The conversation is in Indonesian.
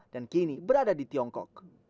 dan kini berada di tiongkok